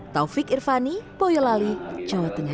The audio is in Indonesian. taufik irvani boyolali jawa tengah